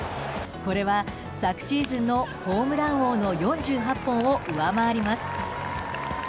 これは昨シーズンのホームラン王の４８本を上回ります。